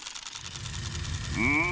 うん。